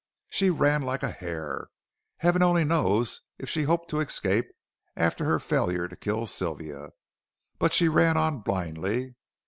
She ran like a hare. Heaven only knows if she hoped to escape after her failure to kill Sylvia, but she ran on blindly.